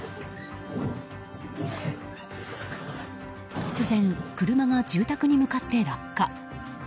突然、車が住宅に向かって落下。